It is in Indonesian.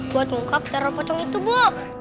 buat ngungkap teror pocong itu bu